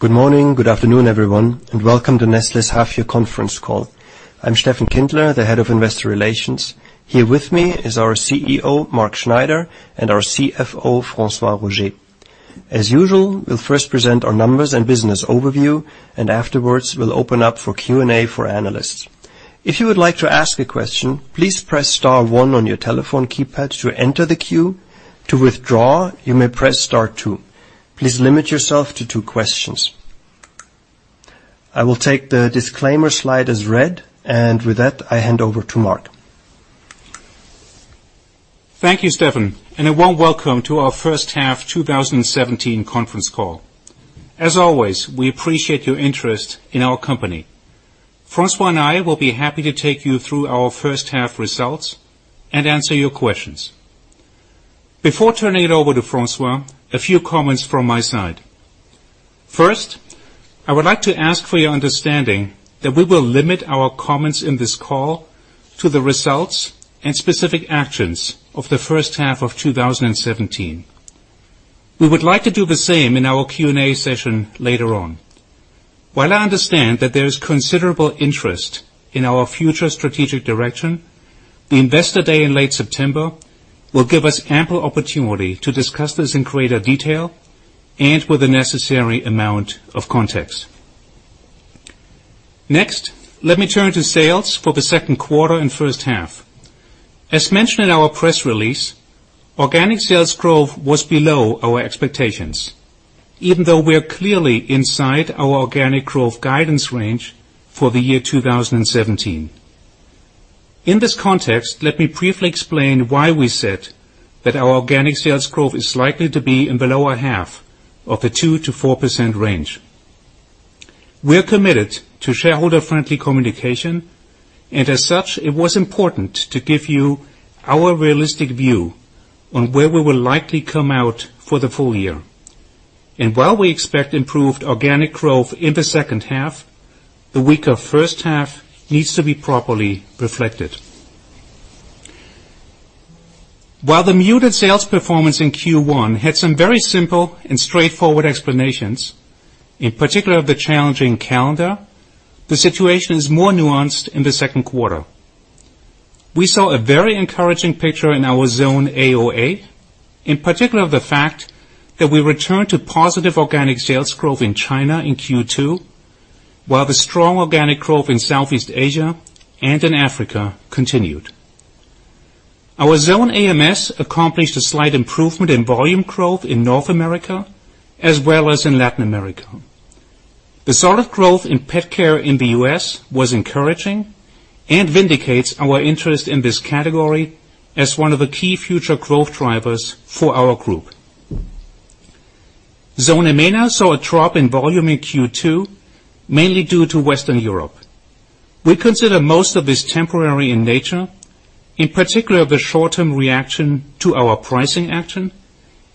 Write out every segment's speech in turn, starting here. Good morning, good afternoon, everyone, welcome to Nestlé's half year conference call. I'm Steffen Kindler, the Head of Investor Relations. Here with me is our CEO, Mark Schneider, and our CFO, François Roger. As usual, we'll first present our numbers and business overview, afterwards, we'll open up for Q&A for analysts. If you would like to ask a question, please press star one on your telephone keypad to enter the queue. To withdraw, you may press star two. Please limit yourself to two questions. I will take the disclaimer slide as read, with that, I hand over to Mark. Thank you, Steffen, a warm welcome to our first half 2017 conference call. As always, we appreciate your interest in our company. François and I will be happy to take you through our first half results and answer your questions. Before turning it over to François, a few comments from my side. First, I would like to ask for your understanding that we will limit our comments in this call to the results and specific actions of the first half of 2017. We would like to do the same in our Q&A session later on. While I understand that there is considerable interest in our future strategic direction, the Investor Day in late September will give us ample opportunity to discuss this in greater detail and with the necessary amount of context. Next, let me turn to sales for the second quarter and first half. As mentioned in our press release, organic sales growth was below our expectations. Even though we are clearly inside our organic growth guidance range for the year 2017. In this context, let me briefly explain why we said that our organic sales growth is likely to be in the lower half of the 2%-4% range. We are committed to shareholder-friendly communication, as such, it was important to give you our realistic view on where we will likely come out for the full year. While we expect improved organic growth in the second half, the weaker first half needs to be properly reflected. While the muted sales performance in Q1 had some very simple and straightforward explanations, in particular the challenging calendar, the situation is more nuanced in the second quarter. We saw a very encouraging picture in our Zone AOA, in particular the fact that we returned to positive organic sales growth in China in Q2, while the strong organic growth in Southeast Asia and in Africa continued. Our Zone AMS accomplished a slight improvement in volume growth in North America as well as in Latin America. The solid growth in pet care in the U.S. was encouraging and vindicates our interest in this category as one of the key future growth drivers for our group. Zone EMENA saw a drop in volume in Q2, mainly due to Western Europe. We consider most of this temporary in nature, in particular the short-term reaction to our pricing action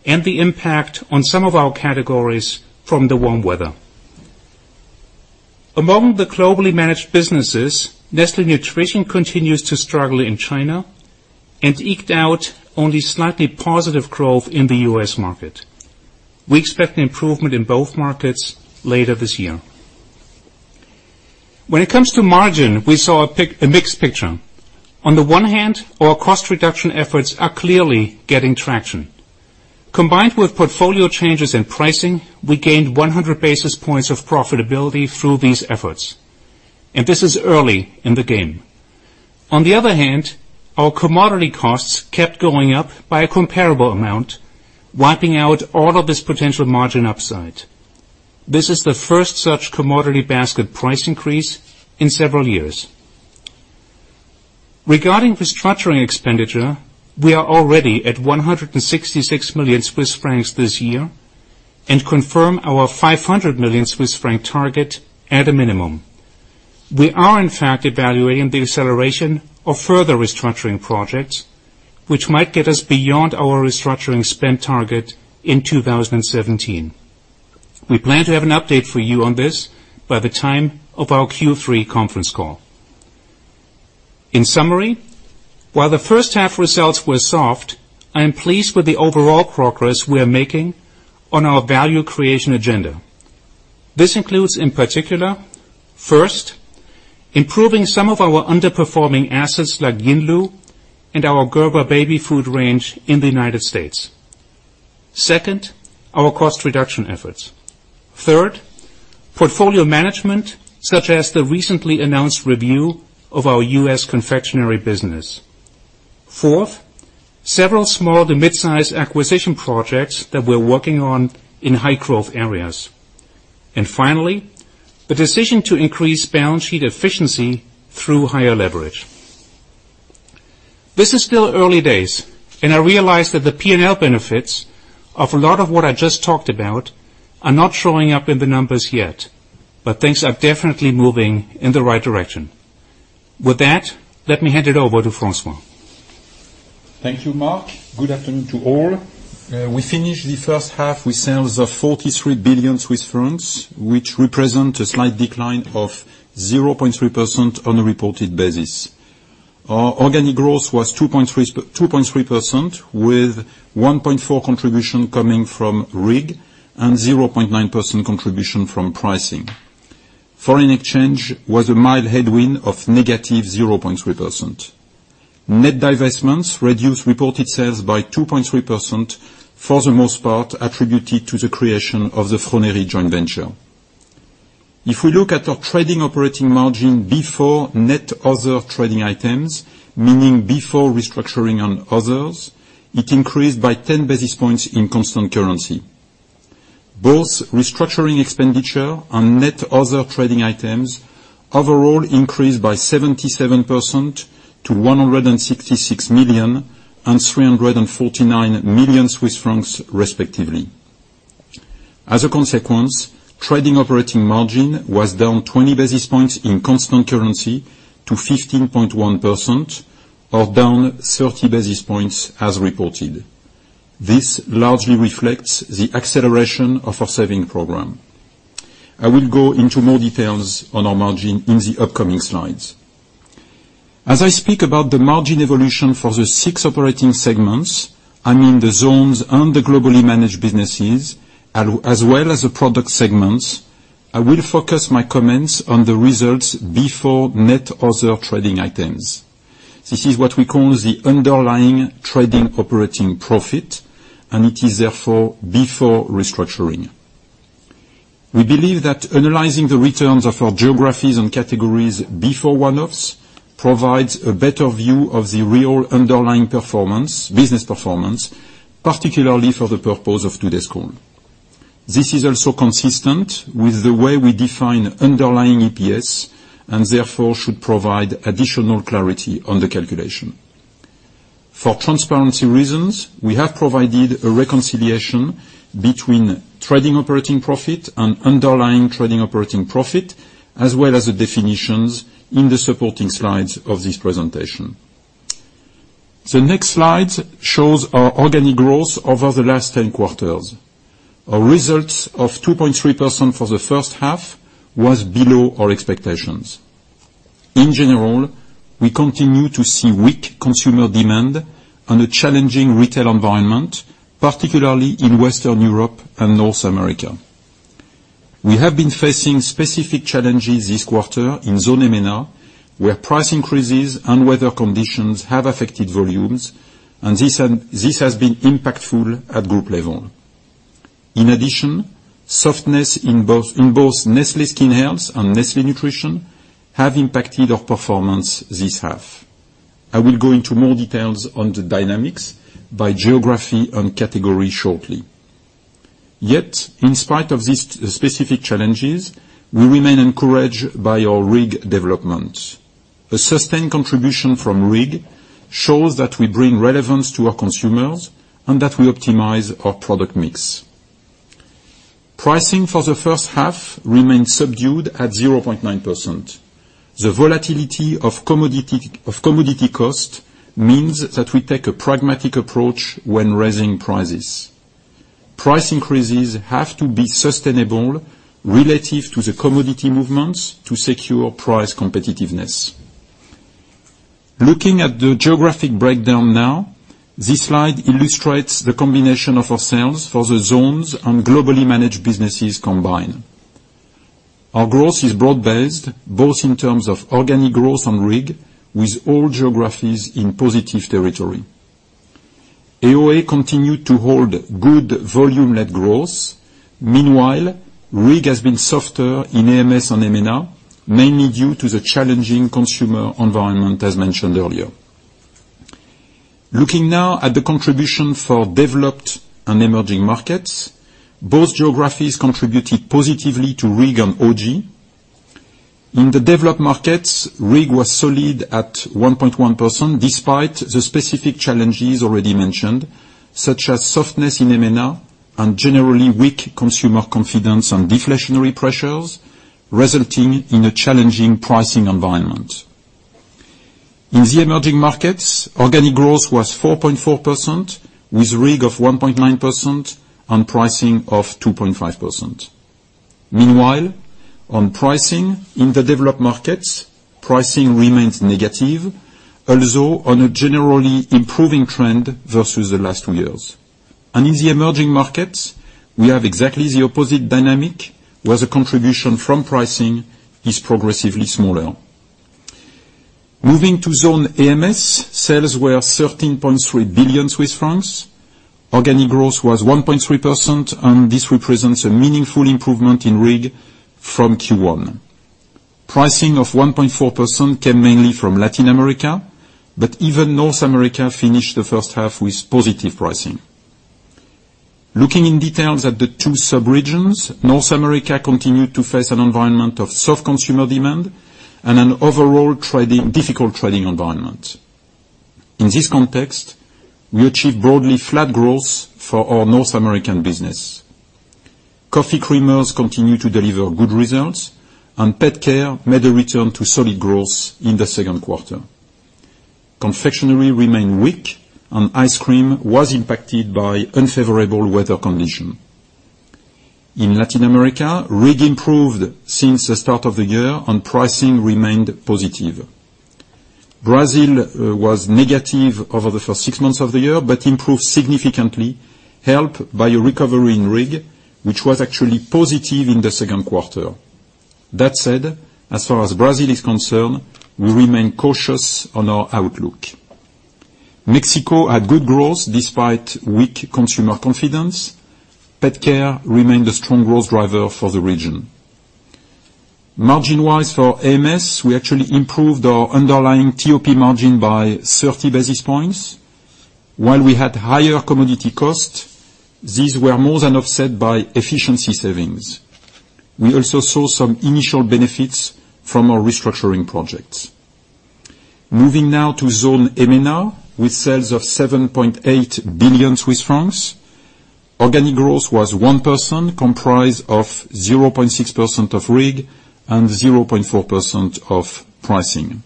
and the impact on some of our categories from the warm weather. Among the globally managed businesses, Nestlé Nutrition continues to struggle in China and eked out only slightly positive growth in the U.S. market. We expect an improvement in both markets later this year. When it comes to margin, we saw a mixed picture. On the one hand, our cost reduction efforts are clearly getting traction. Combined with portfolio changes in pricing, we gained 100 basis points of profitability through these efforts, and this is early in the game. On the other hand, our commodity costs kept going up by a comparable amount, wiping out all of this potential margin upside. This is the first such commodity basket price increase in several years. Regarding restructuring expenditure, we are already at 166 million Swiss francs this year and confirm our 500 million Swiss franc target at a minimum. We are in fact evaluating the acceleration of further restructuring projects, which might get us beyond our restructuring spend target in 2017. We plan to have an update for you on this by the time of our Q3 conference call. In summary, while the first half results were soft, I am pleased with the overall progress we are making on our value creation agenda. This includes in particular, first, improving some of our underperforming assets like Yinlu and our Gerber baby food range in the United States. Second, our cost reduction efforts. Third, portfolio management, such as the recently announced review of our U.S. confectionery business. Fourth, several small to mid-size acquisition projects that we're working on in high growth areas. Finally, the decision to increase balance sheet efficiency through higher leverage. This is still early days, I realize that the P&L benefits of a lot of what I just talked about are not showing up in the numbers yet, things are definitely moving in the right direction. With that, let me hand it over to François. Thank you, Mark. Good afternoon to all. We finished the first half with sales of 43 billion Swiss francs, which represent a slight decline of 0.3% on a reported basis. Our organic growth was 2.3% with 1.4% contribution coming from RIG and 0.9% contribution from pricing. Foreign exchange was a mild headwind of negative 0.3%. Net divestments reduced reported sales by 2.3%, for the most part attributed to the creation of the Froneri joint venture. If we look at our trading operating margin before net other trading items, meaning before restructuring and others, it increased by 10 basis points in constant currency. Both restructuring expenditure and net other trading items overall increased by 77% to 166 million and 349 million Swiss francs, respectively. As a consequence, trading operating margin was down 20 basis points in constant currency to 15.1%, or down 30 basis points as reported. This largely reflects the acceleration of our saving program. I will go into more details on our margin in the upcoming slides. As I speak about the margin evolution for the six operating segments, I mean the zones and the globally managed businesses, as well as the product segments, I will focus my comments on the results before net other trading items. This is what we call the Underlying trading operating profit, and it is therefore before restructuring. We believe that analyzing the returns of our geographies and categories before one-offs provides a better view of the real underlying business performance, particularly for the purpose of today's call. This is also consistent with the way we define Underlying EPS and therefore should provide additional clarity on the calculation. For transparency reasons, we have provided a reconciliation between Trading operating profit and Underlying trading operating profit, as well as the definitions in the supporting slides of this presentation. The next slide shows our organic growth over the last 10 quarters. Our results of 2.3% for the first half was below our expectations. In general, we continue to see weak consumer demand and a challenging retail environment, particularly in Western Europe and North America. We have been facing specific challenges this quarter in Zone MENA, where price increases and weather conditions have affected volumes, and this has been impactful at group level. Additionally, softness in both Nestlé Skin Health and Nestlé Nutrition have impacted our performance this half. I will go into more details on the dynamics by geography and category shortly. In spite of these specific challenges, we remain encouraged by our RIG development. A sustained contribution from RIG shows that we bring relevance to our consumers and that we optimize our product mix. Pricing for the first half remained subdued at 0.9%. The volatility of commodity cost means that we take a pragmatic approach when raising prices. Price increases have to be sustainable relative to the commodity movements to secure price competitiveness. Looking at the geographic breakdown now, this slide illustrates the combination of our sales for the zones and globally managed businesses combined. Our growth is broad-based, both in terms of organic growth and RIG, with all geographies in positive territory. AOA continued to hold good volume-led growth. RIG has been softer in AMS and MENA, mainly due to the challenging consumer environment, as mentioned earlier. Looking now at the contribution for developed and emerging markets, both geographies contributed positively to RIG and OG. In the developed markets, RIG was solid at 1.1%, despite the specific challenges already mentioned, such as softness in MENA and generally weak consumer confidence and deflationary pressures resulting in a challenging pricing environment. In the emerging markets, organic growth was 4.4%, with RIG of 1.9% and pricing of 2.5%. On pricing in the developed markets, pricing remains negative, although on a generally improving trend versus the last two years. In the emerging markets, we have exactly the opposite dynamic, where the contribution from pricing is progressively smaller. Moving to Zone AMS, sales were 13.3 billion Swiss francs. Organic growth was 1.3%, and this represents a meaningful improvement in RIG from Q1. Pricing of 1.4% came mainly from Latin America, but even North America finished the first half with positive pricing. Looking in detail at the two sub-regions, North America continued to face an environment of soft consumer demand and an overall difficult trading environment. In this context, we achieved broadly flat growth for our North American business. Coffee creamers continued to deliver good results, and pet care made a return to solid growth in the second quarter. Confectionery remained weak, and ice cream was impacted by unfavorable weather conditions. In Latin America, RIG improved since the start of the year, and pricing remained positive. Brazil was negative over the first six months of the year, but improved significantly, helped by a recovery in RIG, which was actually positive in the second quarter. That said, as far as Brazil is concerned, we remain cautious on our outlook. Mexico had good growth despite weak consumer confidence. Pet care remained a strong growth driver for the region. Margin-wise for Zone AMS, we actually improved our underlying TOP margin by 30 basis points. While we had higher commodity costs, these were more than offset by efficiency savings. We also saw some initial benefits from our restructuring projects. Moving now to Zone EMENA, with sales of 7.8 billion Swiss francs. Organic growth was 1%, comprised of 0.6% of RIG and 0.4% of pricing.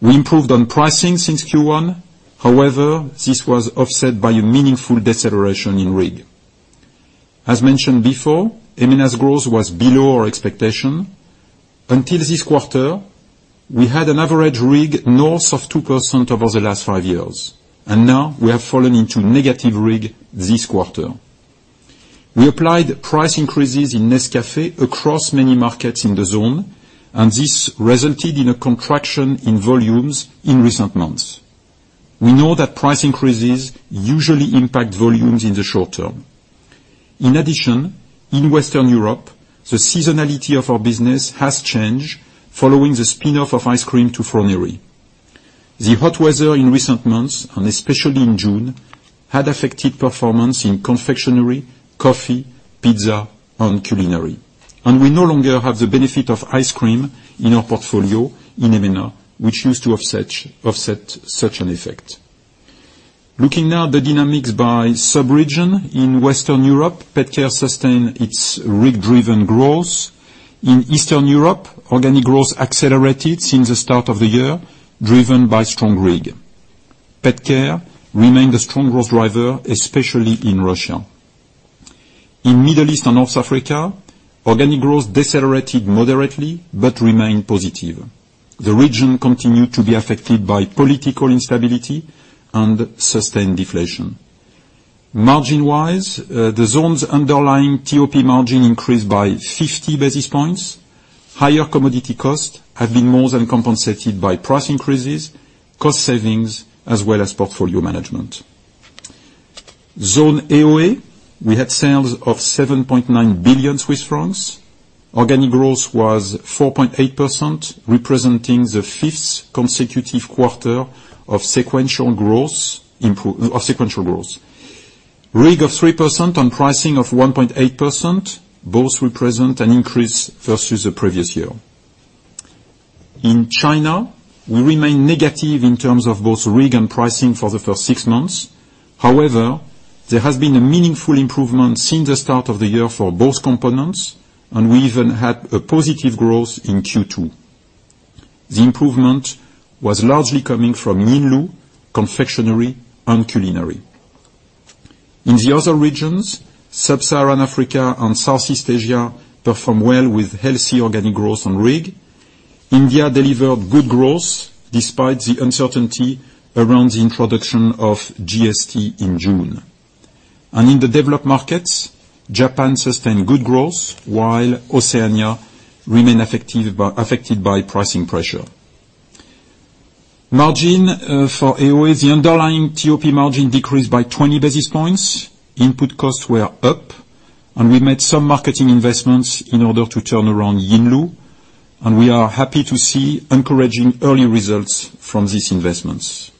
We improved on pricing since Q1. This was offset by a meaningful deceleration in RIG. As mentioned before, Zone EMENA's growth was below our expectation. Until this quarter, we had an average RIG north of 2% over the last five years, and now we have fallen into negative RIG this quarter. We applied price increases in Nescafé across many markets in the Zone, and this resulted in a contraction in volumes in recent months. We know that price increases usually impact volumes in the short term. In Western Europe, the seasonality of our business has changed following the spin-off of ice cream to Froneri. The hot weather in recent months, and especially in June, had affected performance in confectionery, coffee, pizza, and culinary. We no longer have the benefit of ice cream in our portfolio in Zone EMENA, which used to offset such an effect. Looking now at the dynamics by sub-region. In Western Europe, pet care sustained its RIG-driven growth. In Eastern Europe, organic growth accelerated since the start of the year, driven by strong RIG. Pet care remained a strong growth driver, especially in Russia. In the Middle East and North Africa, organic growth decelerated moderately but remained positive. The region continued to be affected by political instability and sustained deflation. Margin-wise, the Zone's underlying TOP margin increased by 50 basis points. Higher commodity costs have been more than compensated by price increases, cost savings, as well as portfolio management. For Zone AOA, we had sales of 7.9 billion Swiss francs. Organic growth was 4.8%, representing the fifth consecutive quarter of sequential growth. RIG of 3% and pricing of 1.8% both represent an increase versus the previous year. In China, we remain negative in terms of both RIG and pricing for the first six months. There has been a meaningful improvement since the start of the year for both components, and we even had a positive growth in Q2. The improvement was largely coming from Yinlu, confectionery, and culinary. In the other regions, sub-Saharan Africa and Southeast Asia performed well with healthy organic growth on RIG. India delivered good growth despite the uncertainty around the introduction of GST in June. In the developed markets, Japan sustained good growth while Oceania remained affected by pricing pressure. Margin for AOA, the underlying TOP margin decreased by 20 basis points. Input costs were up, and we made some marketing investments in order to turn around Yinlu, and we are happy to see encouraging early results from these investments.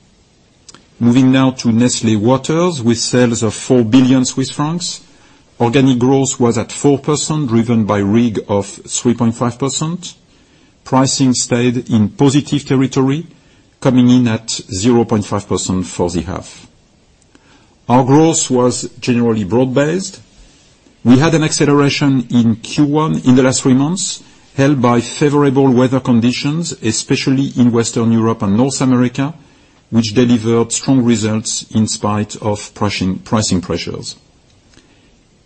Moving now to Nestlé Waters with sales of 4 billion Swiss francs. Organic growth was at 4%, driven by RIG of 3.5%. Pricing stayed in positive territory, coming in at 0.5% for the half. Our growth was generally broad-based. We had an acceleration in Q1 in the last three months, helped by favorable weather conditions, especially in Western Europe and North America, which delivered strong results in spite of pricing pressures.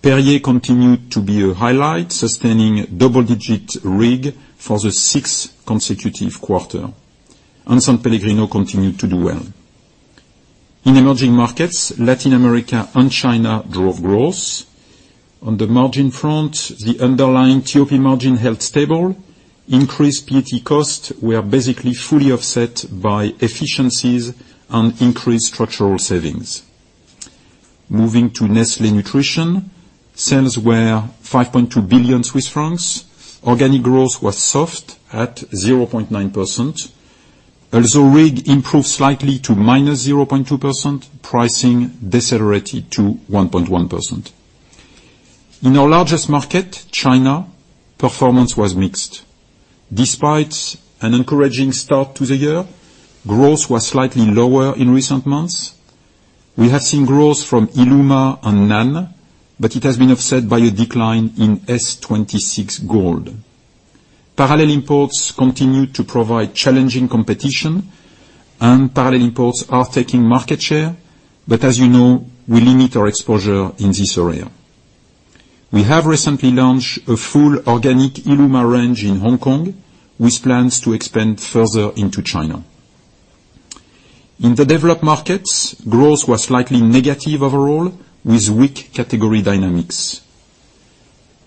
Perrier continued to be a highlight, sustaining double-digit RIG for the sixth consecutive quarter, and S.Pellegrino continued to do well. In emerging markets, Latin America and China drove growth. On the margin front, the underlying TOP margin held stable. Increased PET costs were basically fully offset by efficiencies and increased structural savings. Moving to Nestlé Nutrition, sales were 5.2 billion Swiss francs. Organic growth was soft at 0.9%. Although RIG improved slightly to minus 0.2%, pricing decelerated to 1.1%. In our largest market, China, performance was mixed. Despite an encouraging start to the year, growth was slightly lower in recent months. We have seen growth from illuma and NAN, but it has been offset by a decline in S-26 Gold. Parallel imports continue to provide challenging competition, and parallel imports are taking market share. As you know, we limit our exposure in this area. We have recently launched a full organic illuma range in Hong Kong, with plans to expand further into China. In the developed markets, growth was slightly negative overall, with weak category dynamics.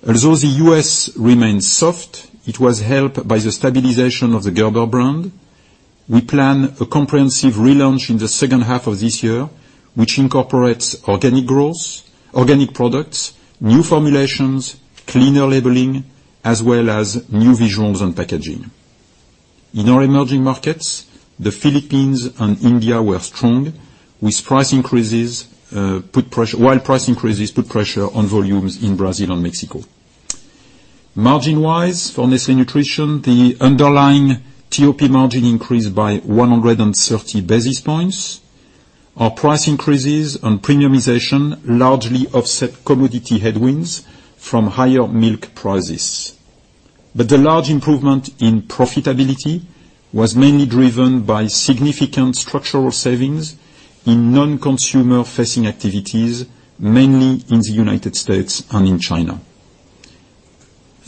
Although the U.S. remains soft, it was helped by the stabilization of the Gerber brand. We plan a comprehensive relaunch in the second half of this year, which incorporates organic growth, organic products, new formulations, cleaner labeling, as well as new visuals and packaging. In our emerging markets, the Philippines and India were strong, while price increases put pressure on volumes in Brazil and Mexico. Margin-wise for Nestlé Nutrition, the underlying TOP margin increased by 130 basis points. Our price increases and premiumization largely offset commodity headwinds from higher milk prices. The large improvement in profitability was mainly driven by significant structural savings in non-consumer-facing activities, mainly in the United States and in China.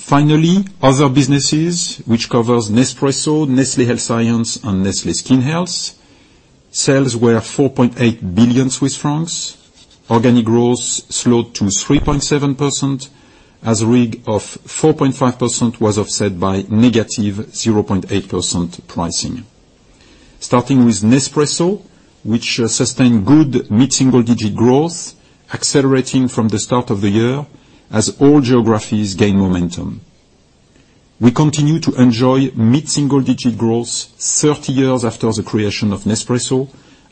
Finally, other businesses, which covers Nespresso, Nestlé Health Science, and Nestlé Skin Health, sales were 4.8 billion Swiss francs. Organic growth slowed to 3.7%, as RIG of 4.5% was offset by negative 0.8% pricing. Starting with Nespresso, which sustained good mid-single digit growth, accelerating from the start of the year as all geographies gain momentum. We continue to enjoy mid-single digit growth 30 years after the creation of Nespresso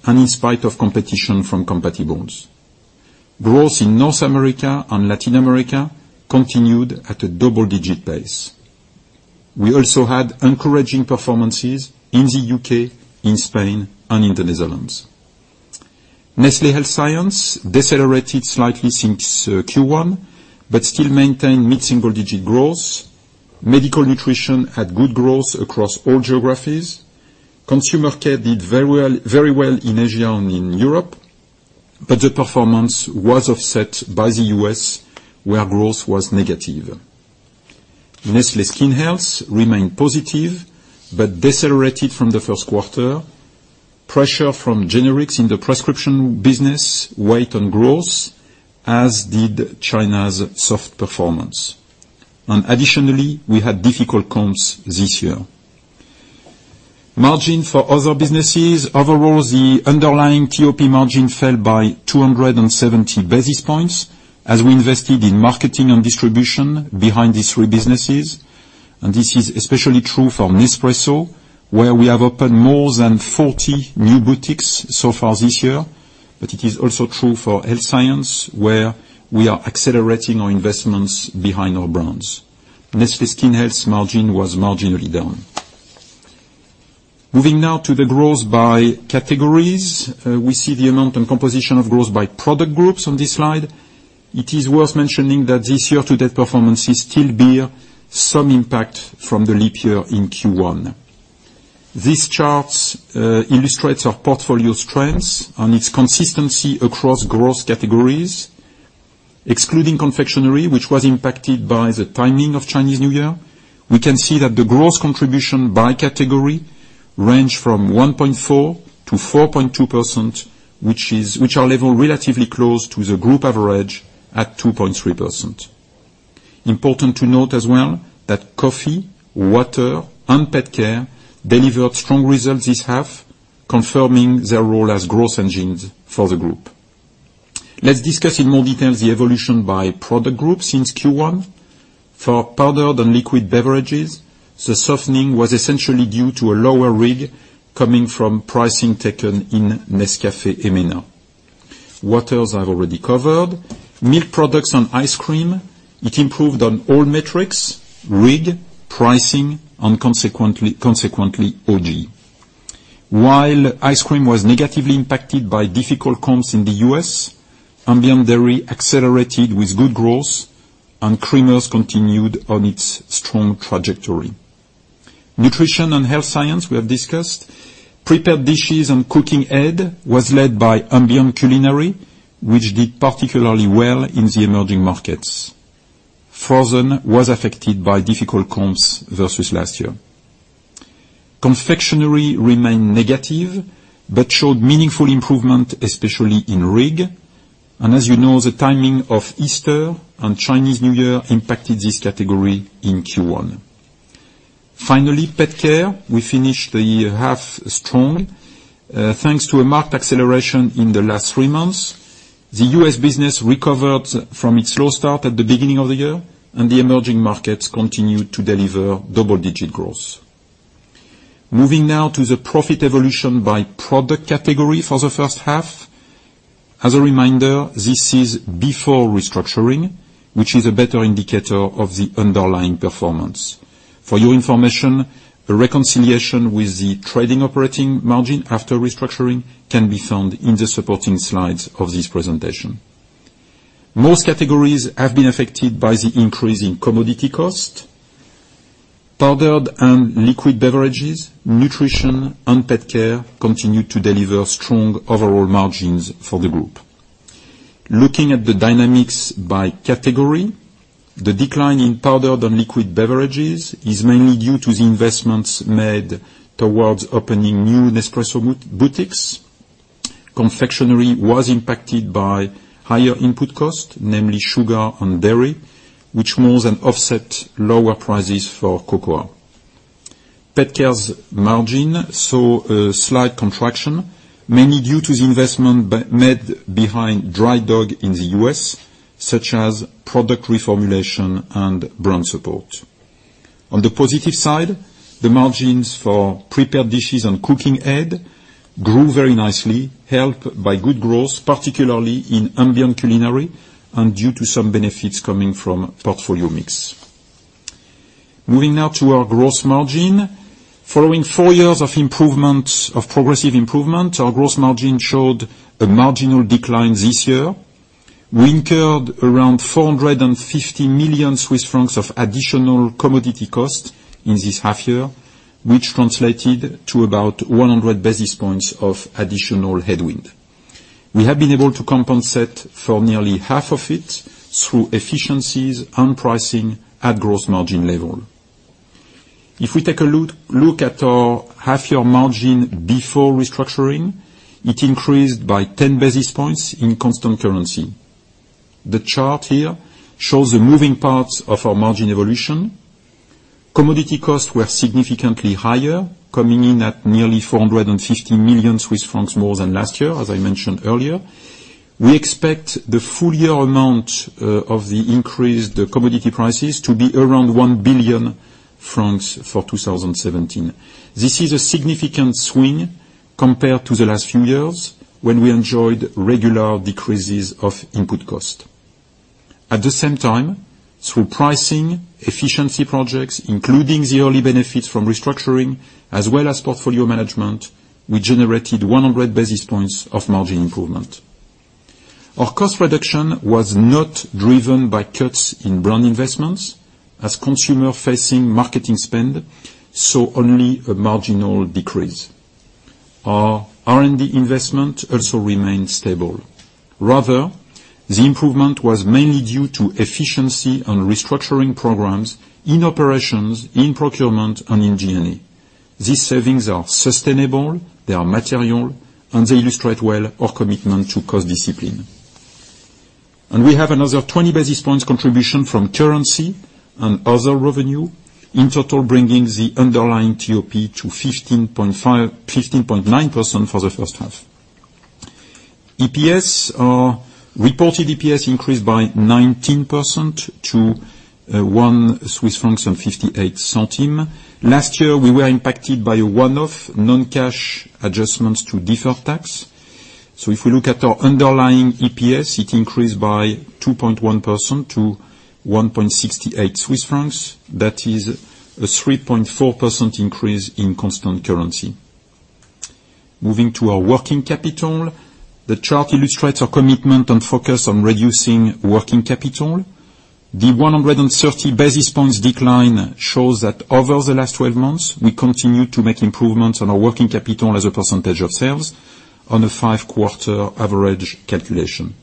and in spite of competition from compatibles. Growth in North America and Latin America continued at a double-digit pace. We also had encouraging performances in the U.K., in Spain, and in the Netherlands. Nestlé Health Science decelerated slightly since Q1 but still maintained mid-single digit growth. Medical Nutrition had good growth across all geographies. Consumer Care did very well in Asia and in Europe, but the performance was offset by the U.S., where growth was negative. Nestlé Skin Health remained positive but decelerated from the first quarter. Pressure from generics in the prescription business weighed on growth, as did China's soft performance. Additionally, we had difficult comps this year. Margin for other businesses. Overall, the underlying TOP margin fell by 270 basis points as we invested in marketing and distribution behind these three businesses. This is especially true for Nespresso, where we have opened more than 40 new boutiques so far this year, but it is also true for Nestlé Health Science, where we are accelerating our investments behind our brands. Nestlé Skin Health's margin was marginally down. Moving now to the growth by categories. We see the amount and composition of growth by product groups on this slide. It is worth mentioning that this year, to-date performance is still bear some impact from the leap year in Q1. These charts illustrates our portfolio's trends and its consistency across growth categories. Excluding confectionery, which was impacted by the timing of Chinese New Year, we can see that the growth contribution by category range from 1.4%-4.2%, which are level relatively close to the group average at 2.3%. Important to note as well, that coffee, water, and pet care delivered strong results this half, confirming their role as growth engines for the group. Let's discuss in more detail the evolution by product groups since Q1. For powdered and liquid beverages, the softening was essentially due to a lower RIG coming from pricing taken in Nescafé and Milo. Waters, I've already covered. Milk products and ice cream, it improved on all metrics: RIG, pricing, and consequently, OG. While ice cream was negatively impacted by difficult comps in the U.S., ambient dairy accelerated with good growth and creamers continued on its strong trajectory. Nutrition and Nestlé Health Science, we have discussed. Prepared dishes and cooking aid was led by ambient culinary, which did particularly well in the emerging markets. Frozen was affected by difficult comps versus last year. Confectionery remained negative but showed meaningful improvement, especially in RIG. As you know, the timing of Easter and Chinese New Year impacted this category in Q1. Finally, pet care. We finished the year half strong, thanks to a marked acceleration in the last three months. The U.S. business recovered from its slow start at the beginning of the year, and the emerging markets continued to deliver double-digit growth. Moving now to the profit evolution by product category for the first half. As a reminder, this is before restructuring, which is a better indicator of the underlying performance. For your information, a reconciliation with the trading operating margin after restructuring can be found in the supporting slides of this presentation. Most categories have been affected by the increase in commodity cost. Powdered and liquid beverages, nutrition, and pet care continue to deliver strong overall margins for the group. Looking at the dynamics by category, the decline in powdered and liquid beverages is mainly due to the investments made towards opening new Nespresso boutiques. Confectionery was impacted by higher input costs, namely sugar and dairy, which more than offset lower prices for cocoa. Pet care's margin saw a slight contraction, mainly due to the investment made behind Dry Dog in the U.S., such as product reformulation and brand support. On the positive side, the margins for prepared dishes and cooking aid grew very nicely, helped by good growth, particularly in ambient culinary, and due to some benefits coming from portfolio mix. Moving now to our gross margin. Following four years of progressive improvement, our gross margin showed a marginal decline this year. We incurred around 450 million Swiss francs of additional commodity cost in this half year, which translated to about 100 basis points of additional headwind. We have been able to compensate for nearly half of it through efficiencies and pricing at gross margin level. If we take a look at our half year margin before restructuring, it increased by 10 basis points in constant currency. The chart here shows the moving parts of our margin evolution. Commodity costs were significantly higher, coming in at nearly 450 million Swiss francs more than last year, as I mentioned earlier. We expect the full year amount of the increased commodity prices to be around 1 billion francs for 2017. This is a significant swing compared to the last few years, when we enjoyed regular decreases of input cost. At the same time, through pricing, efficiency projects, including the early benefits from restructuring, as well as portfolio management, we generated 100 basis points of margin improvement. Our cost reduction was not driven by cuts in brand investments, as consumer-facing marketing spend saw only a marginal decrease. Our R&D investment also remained stable. Rather, the improvement was mainly due to efficiency on restructuring programs in operations, in procurement, and in G&A. These savings are sustainable, they are material, and they illustrate well our commitment to cost discipline. We have another 20 basis points contribution from currency and other revenue, in total bringing the underlying TOP to 15.9% for the first half. EPS, our reported EPS increased by 19% to 1.58 Swiss francs. Last year, we were impacted by a one-off non-cash adjustments to deferred tax. If we look at our underlying EPS, it increased by 2.1% to 1.68 Swiss francs. That is a 3.4% increase in constant currency. Moving to our working capital. The chart illustrates our commitment and focus on reducing working capital. The 130 basis points decline shows that over the last 12 months, we continued to make improvements on our working capital as a percentage of sales on a five-quarter average calculation.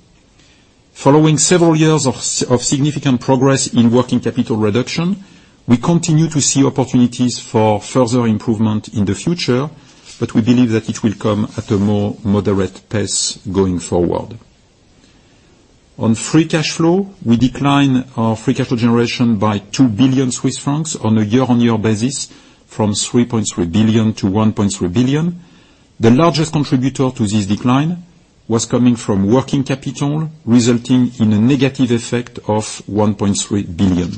Following several years of significant progress in working capital reduction, we continue to see opportunities for further improvement in the future, but we believe that it will come at a more moderate pace going forward. On free cash flow, we declined our free cash flow generation by 2 billion Swiss francs on a year-on-year basis, from 3.3 billion to 1.3 billion. The largest contributor to this decline was coming from working capital, resulting in a negative effect of 1.3 billion.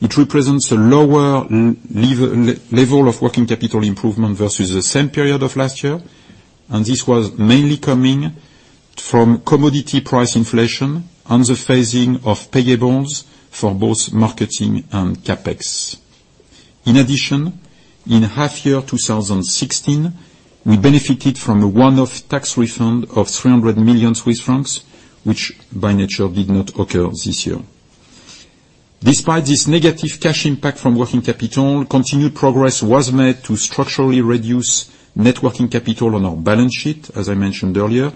It represents a lower level of working capital improvement versus the same period of last year, and this was mainly coming from commodity price inflation and the phasing of payables for both marketing and CapEx. In addition, in half year 2016, we benefited from a one-off tax refund of 300 million Swiss francs, which by nature did not occur this year. Despite this negative cash impact from working capital, continued progress was made to structurally reduce net working capital on our balance sheet, as I mentioned earlier,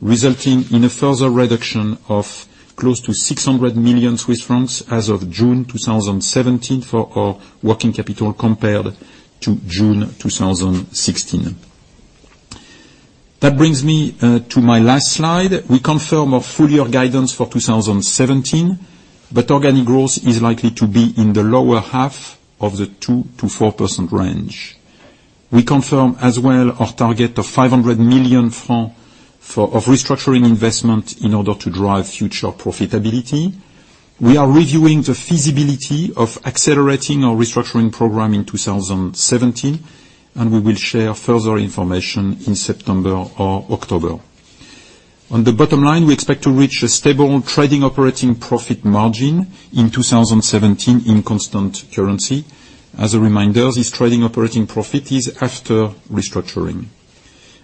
resulting in a further reduction of close to 600 million Swiss francs as of June 2017 for our working capital compared to June 2016. That brings me to my last slide. We confirm our full-year guidance for 2017, but organic growth is likely to be in the lower half of the 2%-4% range. We confirm as well our target of 500 million francs of restructuring investment in order to drive future profitability. We are reviewing the feasibility of accelerating our restructuring program in 2017, and we will share further information in September or October. On the bottom line, we expect to reach a stable Trading operating profit margin in 2017 in constant currency. As a reminder, this Trading operating profit is after restructuring.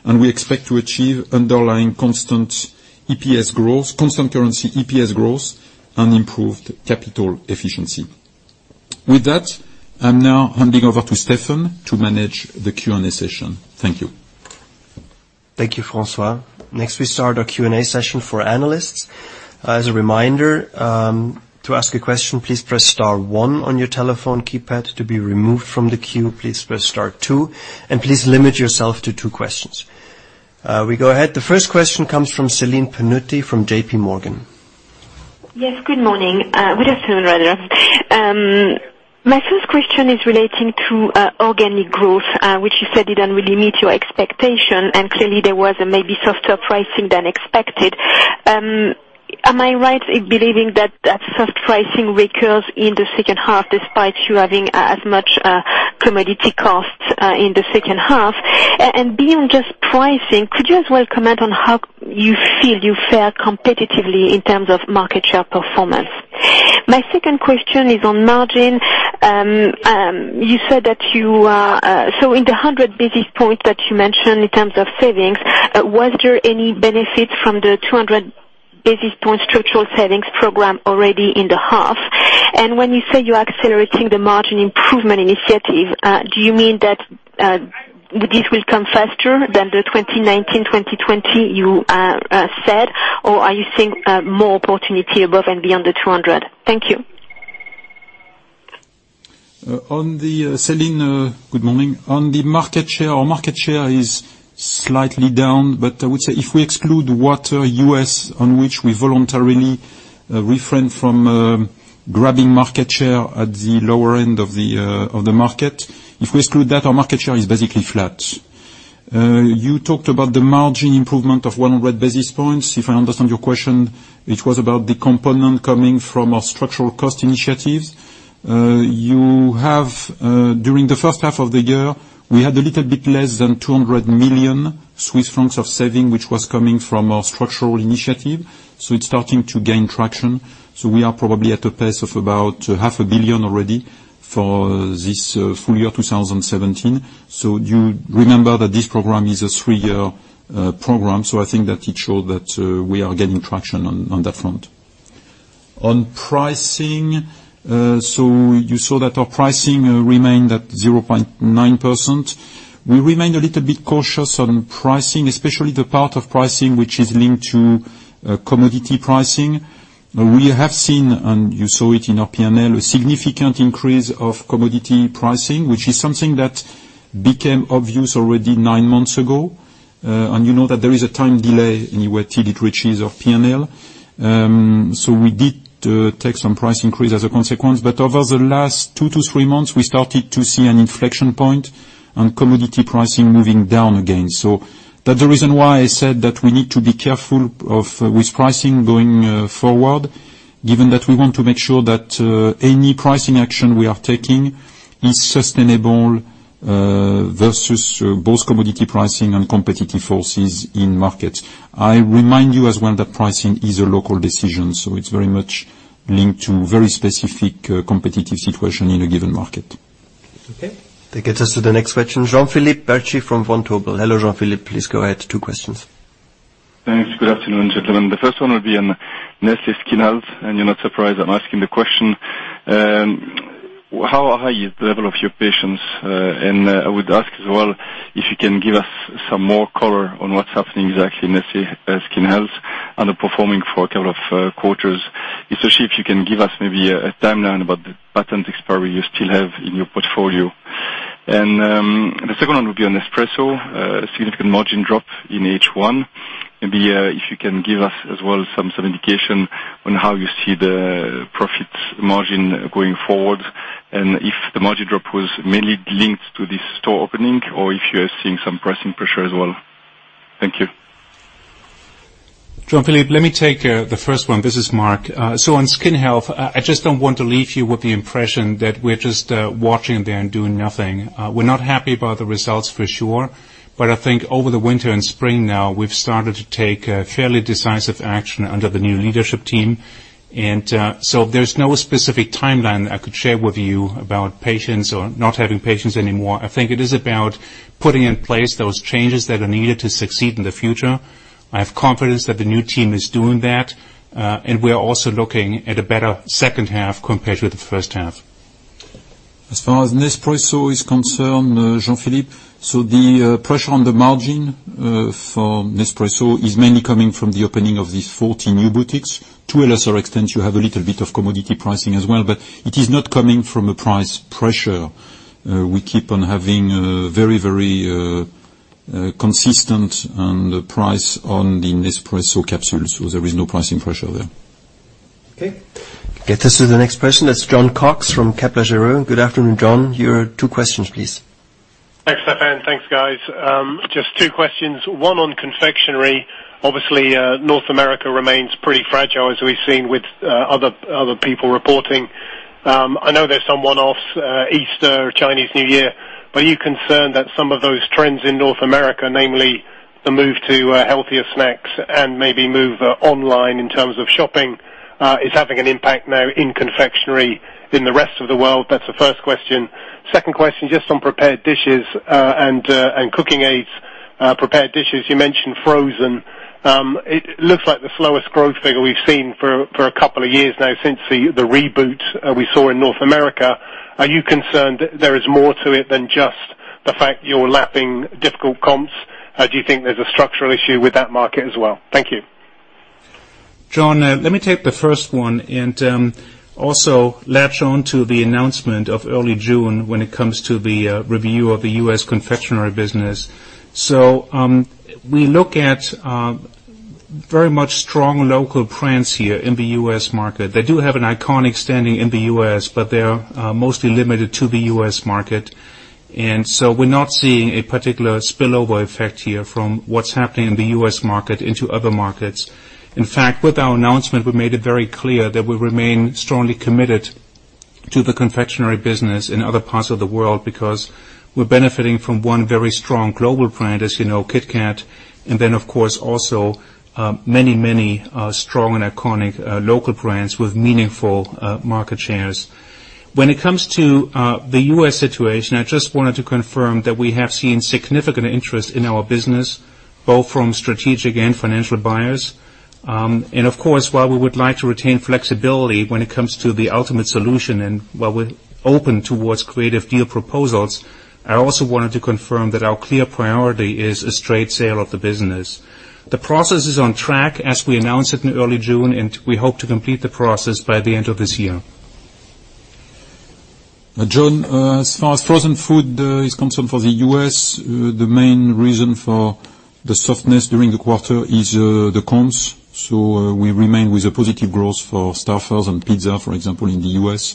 And we expect to achieve Underlying constant EPS growth, constant currency EPS growth, and improved capital efficiency. With that, I'm now handing over to Steffen to manage the Q&A session. Thank you. Thank you, François. Next, we start our Q&A session for analysts. As a reminder, to ask a question, please press star one on your telephone keypad. To be removed from the queue, please press star two, and please limit yourself to two questions. We go ahead. The first question comes from Celine Pannuti from J.P. Morgan. Good morning. Good afternoon, rather. My first question is relating to organic growth, which you said didn't really meet your expectation, and clearly there was maybe softer pricing than expected. Am I right in believing that soft pricing recurs in the second half, despite you having as much commodity costs in the second half? Beyond just pricing, could you as well comment on how you feel you fare competitively in terms of market share performance? My second question is on margin. In the 100 basis points that you mentioned in terms of savings, was there any benefit from the 200 basis point structural savings program already in the half? When you say you're accelerating the margin improvement initiative, do you mean that this will come faster than the 2019, 2020 you said, or are you seeing more opportunity above and beyond the 200? Thank you. Celine, good morning. On the market share, our market share is slightly down, but I would say if we exclude Water U.S., on which we voluntarily refrained from grabbing market share at the lower end of the market. If we exclude that, our market share is basically flat. You talked about the margin improvement of 100 basis points. If I understand your question, it was about the component coming from our structural cost initiatives. During the first half of the year, we had a little bit less than 200 million Swiss francs of saving, which was coming from our structural initiative. So it's starting to gain traction. So we are probably at a pace of about CHF half a billion already for this full year, 2017. So you remember that this program is a three-year program. So I think that it showed that we are gaining traction on that front. On pricing, you saw that our pricing remained at 0.9%. We remained a little bit cautious on pricing, especially the part of pricing, which is linked to commodity pricing. We have seen, and you saw it in our P&L, a significant increase of commodity pricing, which is something that became obvious already nine months ago. You know that there is a time delay anyway till it reaches our P&L. We did take some price increase as a consequence, but over the last two to three months, we started to see an inflection point on commodity pricing moving down again. That's the reason why I said that we need to be careful with pricing going forward, given that we want to make sure that any pricing action we are taking is sustainable versus both commodity pricing and competitive forces in markets. I remind you as well that pricing is a local decision, it's very much linked to very specific competitive situation in a given market. That gets us to the next question. Jean-Philippe Bertschy from Vontobel. Hello, Jean-Philippe. Please go ahead. Two questions. Thanks. Good afternoon, gentlemen. The first one will be on Nestlé Skin Health, you're not surprised I'm asking the question. How high is the level of your patience? I would ask as well if you can give us some more color on what's happening exactly in Nestlé Skin Health underperforming for a couple of quarters, especially if you can give us maybe a timeline about the patent expiry you still have in your portfolio. The second one will be on Nespresso, a significant margin drop in H1. Maybe if you can give us as well some indication on how you see the profit margin going forward and if the margin drop was mainly linked to this store opening or if you are seeing some pricing pressure as well. Thank you. Jean-Philippe, let me take the first one. This is Mark. On Nestlé Skin Health, I just don't want to leave you with the impression that we're just watching there and doing nothing. We're not happy about the results for sure. I think over the winter and spring now, we've started to take fairly decisive action under the new leadership team. There's no specific timeline I could share with you about patience or not having patience anymore. I think it is about putting in place those changes that are needed to succeed in the future. I have confidence that the new team is doing that. We're also looking at a better second half compared to the first half. As far as Nespresso is concerned, Jean-Philippe, the pressure on the margin for Nespresso is mainly coming from the opening of these 40 new boutiques. To a lesser extent, you have a little bit of commodity pricing as well, it is not coming from a price pressure. We keep on having very consistent price on the Nespresso capsules, there is no pricing pressure there. Get us to the next question. That's Jon Cox from Kepler Cheuvreux. Good afternoon, Jon. Your two questions, please. Thanks, Steffen. Thanks, guys. Just two questions. One on confectionery. Obviously, North America remains pretty fragile as we've seen with other people reporting. I know there's some one-offs, Easter, Chinese New Year, are you concerned that some of those trends in North America, namely the move to healthier snacks and maybe move online in terms of shopping is having an impact now in confectionery in the rest of the world? That's the first question. Second question, just on prepared dishes and cooking aids. Prepared dishes, you mentioned frozen. It looks like the slowest growth figure we've seen for a couple of years now since the reboot we saw in North America. Are you concerned there is more to it than just the fact you're lapping difficult comps? Do you think there's a structural issue with that market as well? Thank you. Jon, let me take the first one and also latch onto the announcement of early June when it comes to the review of the U.S. confectionery business. We look at very much strong local brands here in the U.S. market. They do have an iconic standing in the U.S., but they're mostly limited to the U.S. market. We're not seeing a particular spillover effect here from what's happening in the U.S. market into other markets. In fact, with our announcement, we made it very clear that we remain strongly committed to the confectionery business in other parts of the world, because we're benefiting from one very strong global brand, as you know, KitKat, and then of course also many strong and iconic local brands with meaningful market shares. When it comes to the U.S. situation, I just wanted to confirm that we have seen significant interest in our business, both from strategic and financial buyers. While we would like to retain flexibility when it comes to the ultimate solution and while we're open towards creative deal proposals, I also wanted to confirm that our clear priority is a straight sale of the business. The process is on track as we announced it in early June, we hope to complete the process by the end of this year. Jon, as far as frozen food is concerned for the U.S., the main reason for the softness during the quarter is the comps. We remain with a positive growth for Stouffer's and Pizza, for example, in the U.S.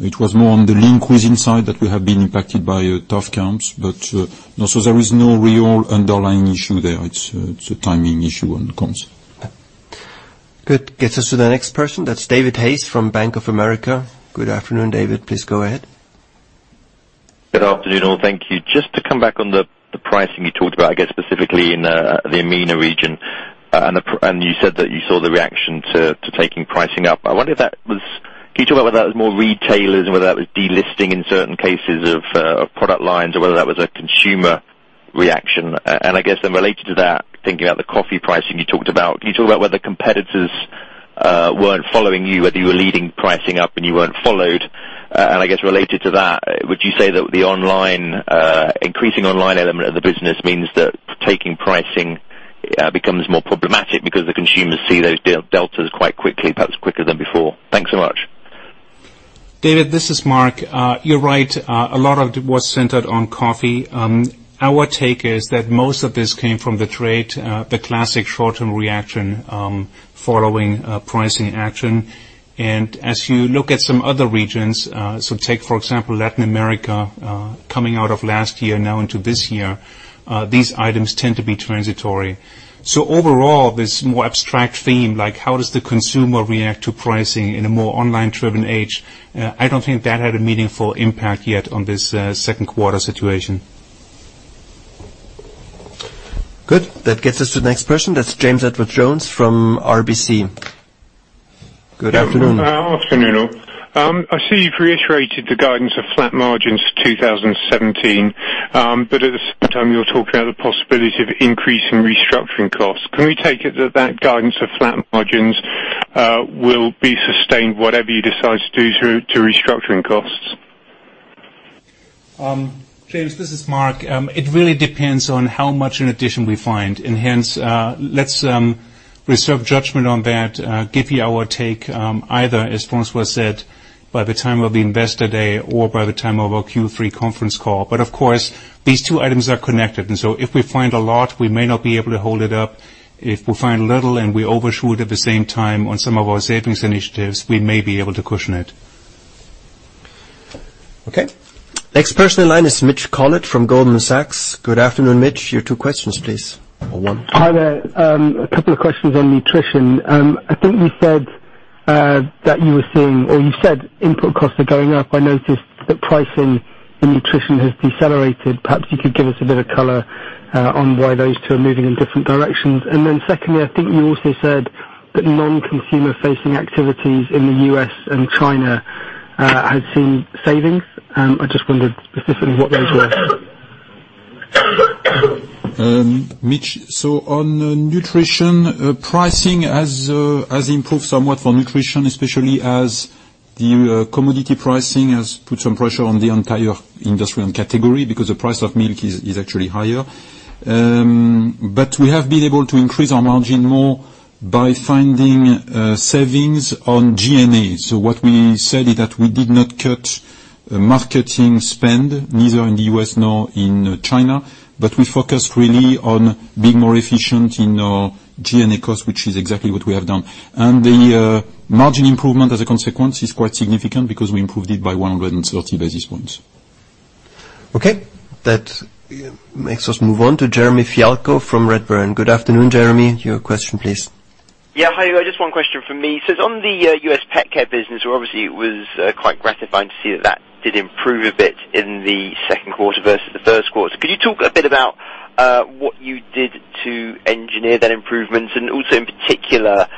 It was more on the Lean Cuisine side that we have been impacted by tough comps. There is no real underlying issue there. It's a timing issue on comps. Good. Gets us to the next person. That's David Hayes from Bank of America. Good afternoon, David. Please go ahead. Good afternoon, all. Thank you. Just to come back on the pricing you talked about, I guess specifically in the EMENA region. You said that you saw the reaction to taking pricing up. Can you talk about whether that was more retailers and whether that was delisting in certain cases of product lines or whether that was a consumer reaction? I guess, related to that, thinking about the coffee pricing you talked about, can you talk about whether competitors weren't following you, whether you were leading pricing up and you weren't followed? I guess related to that, would you say that the increasing online element of the business means that taking pricing becomes more problematic because the consumers see those deltas quite quickly, perhaps quicker than before? Thanks so much. David, this is Mark. You're right. A lot of it was centered on coffee. Our take is that most of this came from the trade, the classic short-term reaction, following pricing action. As you look at some other regions, take, for example, Latin America, coming out of last year now into this year, these items tend to be transitory. Overall, this more abstract theme, like how does the consumer react to pricing in a more online-driven age? I don't think that had a meaningful impact yet on this second quarter situation. Good. That gets us to the next person. That's James Edwardes-Jones from RBC. Good afternoon. Afternoon, all. I see you've reiterated the guidance of flat margins 2017. At the same time, you're talking about the possibility of increasing restructuring costs. Can we take it that that guidance of flat margins will be sustained whatever you decide to do to restructuring costs? James, this is Mark. It really depends on how much in addition we find. Hence, let's reserve judgment on that, give you our take, either, as François said, by the time of the Investor Day or by the time of our Q3 conference call. Of course, these two items are connected. If we find a lot, we may not be able to hold it up. If we find little and we overshoot at the same time on some of our savings initiatives, we may be able to cushion it. Okay. Next person in line is Mitch Collett from Goldman Sachs. Good afternoon, Mitch. Your two questions, please. Or one. Hi there. A couple of questions on nutrition. I think you said input costs are going up. I noticed that pricing in nutrition has decelerated. Perhaps you could give us a bit of color on why those two are moving in different directions. Then secondly, I think you also said that non-consumer-facing activities in the U.S. and China had seen savings. I just wondered specifically what those were. Mitch, on nutrition, pricing has improved somewhat for nutrition, especially as the commodity pricing has put some pressure on the entire industry and category because the price of milk is actually higher. We have been able to increase our margin more by finding savings on G&A. What we said is that we did not cut marketing spend, neither in the U.S. nor in China, but we focused really on being more efficient in our G&A cost, which is exactly what we have done. The margin improvement as a consequence is quite significant because we improved it by 130 basis points. Okay. That makes us move on to Jeremy Fialko from Redburn. Good afternoon, Jeremy. Your question, please. Yeah. Hi. Just one question from me. It's on the U.S. pet care business, where obviously it was quite gratifying to see that that did improve a bit in the second quarter versus the first quarter. Could you talk a bit about what you did to engineer that improvement, also in particular,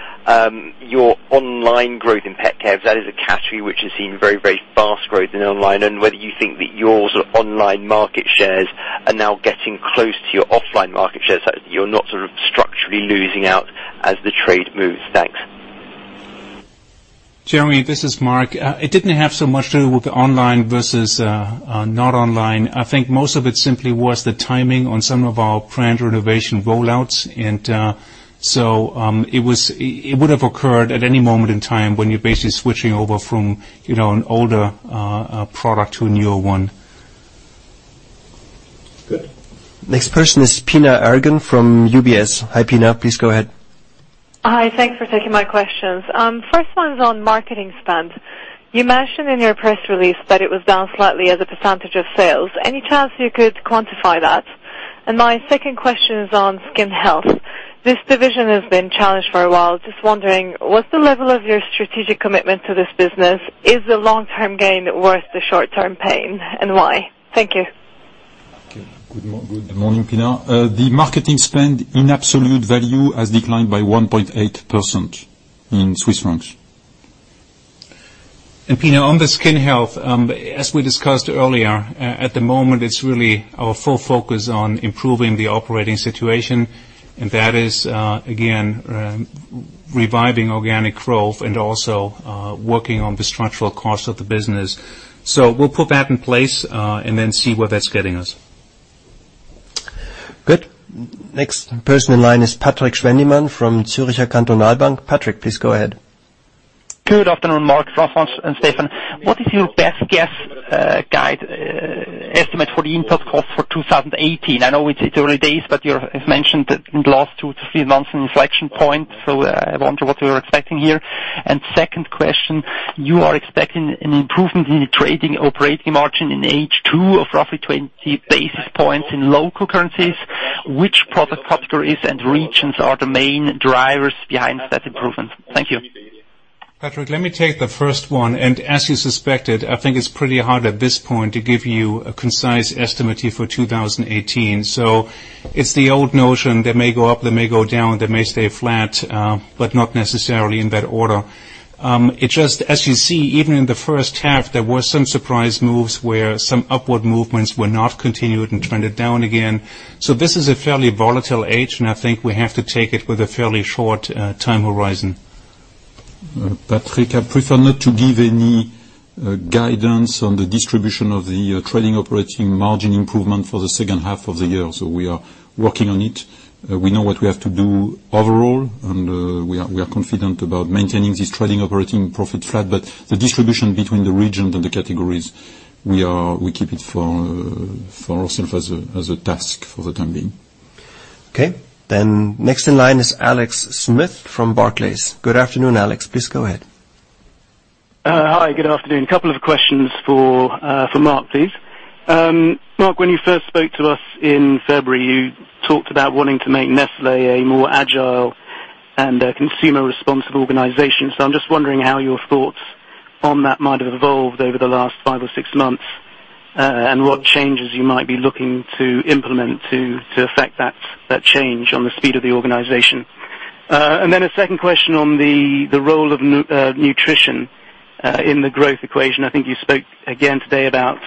your online growth in pet care. That is a category which has seen very vast growth in online, whether you think that your online market shares are now getting close to your offline market shares, that you're not structurally losing out as the trade moves. Thanks. Jeremy, this is Mark. It didn't have so much to do with the online versus not online. I think most of it simply was the timing on some of our planned renovation rollouts. It would have occurred at any moment in time when you're basically switching over from an older product to a newer one. Good. Next person is Pinar Ergun from UBS. Hi, Pinar, please go ahead. Hi. Thanks for taking my questions. First one's on marketing spend. You mentioned in your press release that it was down slightly as a percentage of sales. Any chance you could quantify that? My second question is on Skin Health. This division has been challenged for a while. Just wondering, what's the level of your strategic commitment to this business? Is the long-term gain worth the short-term pain, and why? Thank you. Okay. Good morning, Pinar. The marketing spend in absolute value has declined by 1.8% in CHF. Pinar, on the Skin Health, as we discussed earlier, at the moment, it's really our full focus on improving the operating situation, and that is again, reviving organic growth and also working on the structural cost of the business. We'll put that in place, and then see where that's getting us. Good. Next person in line is Patrik Schwendimann from Zürcher Kantonalbank. Patrik, please go ahead. Good afternoon, Mark, François, and Steffen. What is your best guess guide estimate for the input cost for 2018? I know it's early days, but you have mentioned in the last two to three months an inflection point, I wonder what you're expecting here. Second question, you are expecting an improvement in the trading operating margin in H2 of roughly 20 basis points in local currencies. Which product categories and regions are the main drivers behind that improvement? Thank you. Patrik, let me take the first one, as you suspected, I think it's pretty hard at this point to give you a concise estimate here for 2018. It's the old notion, they may go up, they may go down, they may stay flat, but not necessarily in that order. As you see, even in the first half, there were some surprise moves where some upward movements were not continued and trended down again. This is a fairly volatile age, and I think we have to take it with a fairly short time horizon. Patrik, I prefer not to give any guidance on the distribution of the trading operating margin improvement for the second half of the year. We are working on it. We know what we have to do overall, and we are confident about maintaining this trading operating profit flat. The distribution between the regions and the categories, we keep it for ourselves as a task for the time being. Okay. Next in line is Alexia Smith from Barclays. Good afternoon, Alexia. Please go ahead. Hi, good afternoon. Couple of questions for Mark, please. Mark, when you first spoke to us in February, you talked about wanting to make Nestlé a more agile and a consumer-responsive organization. I'm just wondering how your thoughts on that might have evolved over the last five or six months, and what changes you might be looking to implement to affect that change on the speed of the organization. A second question on the role of nutrition in the growth equation. I think you spoke again today about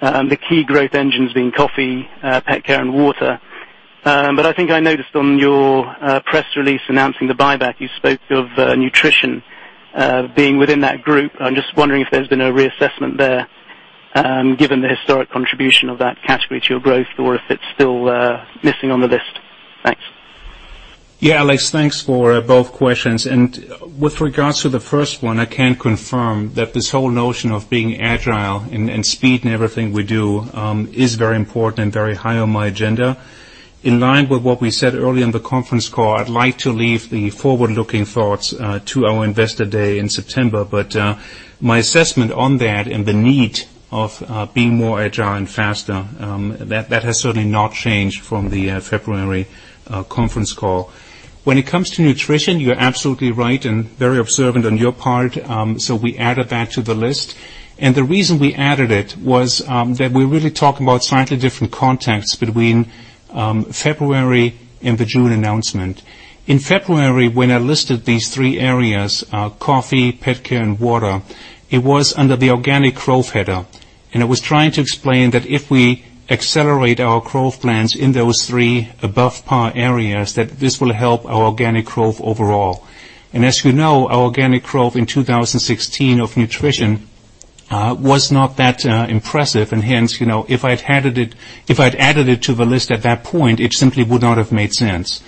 the key growth engines being coffee, pet care, and water. I think I noticed on your press release announcing the buyback, you spoke of nutrition being within that group. I'm just wondering if there's been a reassessment there given the historic contribution of that category to your growth, or if it's still missing on the list. Thanks. Yeah, Alexia, thanks for both questions. With regards to the first one, I can confirm that this whole notion of being agile and speed in everything we do is very important and very high on my agenda. In line with what we said earlier in the conference call, I'd like to leave the forward-looking thoughts to our Investor Day in September. My assessment on that and the need of being more agile and faster, that has certainly not changed from the February conference call. When it comes to nutrition, you're absolutely right and very observant on your part, we added that to the list. The reason we added it was that we're really talking about slightly different contexts between February and the June announcement. In February, when I listed these three areas, coffee, pet care, and water, it was under the Organic Growth header. I was trying to explain that if we accelerate our growth plans in those three above-par areas, that this will help our Organic Growth overall. As you know, our Organic Growth in 2016 of nutrition was not that impressive, hence, if I'd added it to the list at that point, it simply would not have made sense.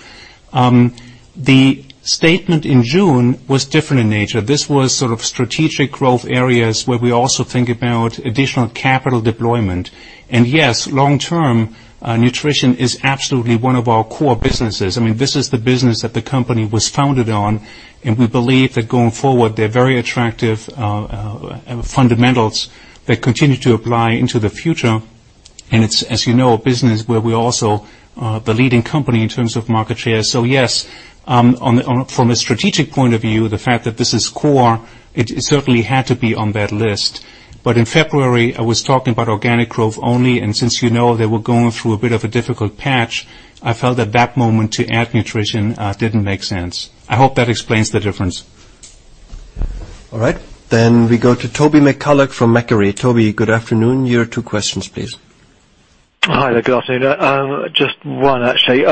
The statement in June was different in nature. This was sort of strategic growth areas where we also think about additional capital deployment. Yes, long term, nutrition is absolutely one of our core businesses. I mean, this is the business that the company was founded on, and we believe that going forward, there are very attractive fundamentals that continue to apply into the future. It's, as you know, a business where we're also the leading company in terms of market share. Yes, from a strategic point of view, the fact that this is core, it certainly had to be on that list. In February, I was talking about organic growth only, and since you know they were going through a bit of a difficult patch, I felt at that moment to add nutrition didn't make sense. I hope that explains the difference. All right. We go to Toby McCullagh from Macquarie. Toby, good afternoon. Your two questions, please. Hi there. Good afternoon. Just one, actually.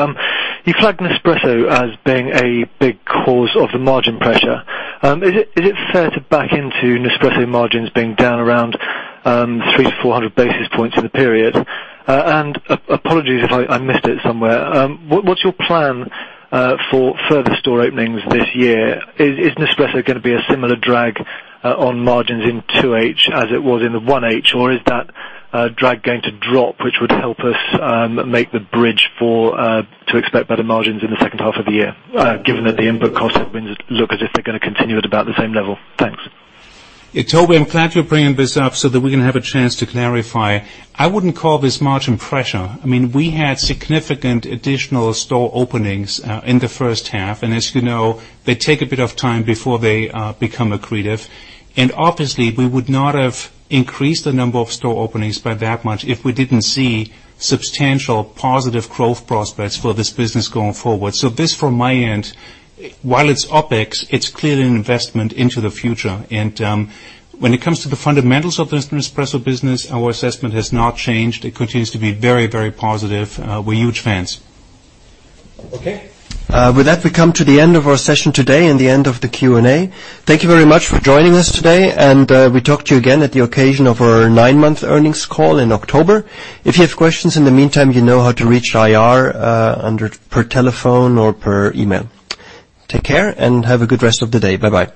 You flagged Nespresso as being a big cause of the margin pressure. Is it fair to back into Nespresso margins being down around 300-400 basis points in the period? Apologies if I missed it somewhere. What's your plan for further store openings this year? Is Nespresso going to be a similar drag on margins in 2H as it was in the 1H, or is that drag going to drop, which would help us make the bridge to expect better margins in the second half of the year, given that the input cost openings look as if they're going to continue at about the same level? Thanks. Toby, I'm glad you're bringing this up so that we can have a chance to clarify. I wouldn't call this margin pressure. We had significant additional store openings in the first half, and as you know, they take a bit of time before they become accretive. Obviously, we would not have increased the number of store openings by that much if we didn't see substantial positive growth prospects for this business going forward. This, from my end, while it's OpEx, it's clearly an investment into the future. When it comes to the fundamentals of this Nespresso business, our assessment has not changed. It continues to be very positive. We're huge fans. Okay. With that, we come to the end of our session today and the end of the Q&A. Thank you very much for joining us today. We talk to you again at the occasion of our nine-month earnings call in October. If you have questions in the meantime, you know how to reach IR per telephone or per email. Take care and have a good rest of the day. Bye-bye.